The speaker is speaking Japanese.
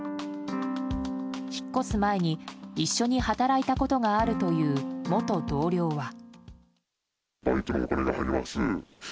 引っ越す前に一緒に働いたことがあるという元同僚は。